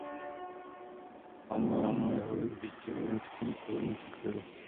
Je plánováno jeho využití ve vojenském i civilním sektoru.